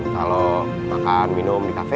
kalau makan minum di kafe